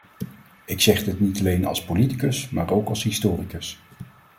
Ik zeg dit niet alleen als politicus maar ook als historicus.